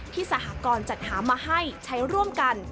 สหกรณ์จัดหามาให้ใช้ร่วมกัน